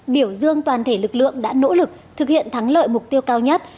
biểu dương toàn thể lực lượng đã nỗ lực thực hiện thắng lợi mục tiêu cao nhất